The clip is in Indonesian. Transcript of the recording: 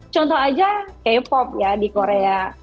contoh aja k pop ya di korea